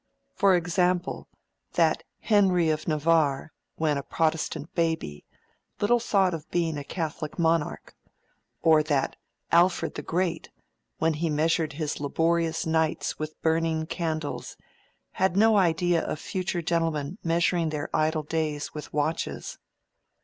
—For example, that Henry of Navarre, when a Protestant baby, little thought of being a Catholic monarch; or that Alfred the Great, when he measured his laborious nights with burning candles, had no idea of future gentlemen measuring their idle days with watches.